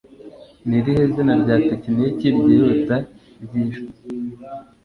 Ni irihe zina rya tekiniki ryihuta ryijwi